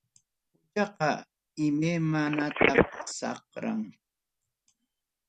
Huchaqa imaymana saqram.